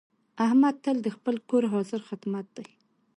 احمد تل د خپل کور حاضر خدمت دی.